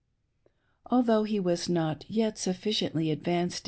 Although he was not yet sufficiently advanced.